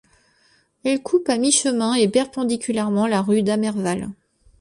Elle coupe à mi-chemin et perpendiculairement la rue d'Amerval.